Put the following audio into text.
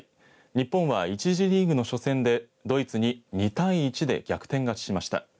日本は１次リーグの初戦でドイツに２対１で逆転勝ちしました。